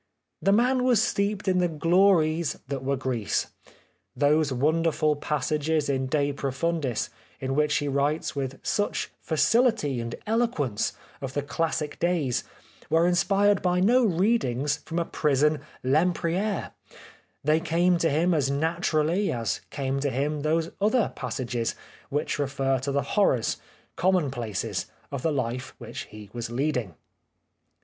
The man was steeped in the glories that were Greece. Those wonderful 152 The Life of Oscar Wilde passages in " De Profundis" in which he writes with such facihty and eloquence of the classic days were inspired by no readings from a prison Lempriere. They came to him as naturally as came to him those other passages which refer to the horrors, commonplaces of the life which he was leading.